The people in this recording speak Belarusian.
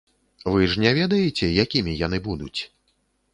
Вы ж не ведаеце, якімі яны будуць?